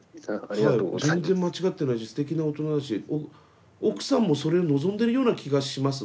はい全然間違ってないしすてきな大人だし奥さんもそれを望んでるような気がします